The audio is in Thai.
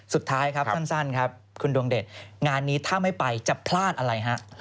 สุดท้ายครับสั้นครับคุณดวงเดชงานนี้ถ้าไม่ไปจะพลาดอะไรฮะ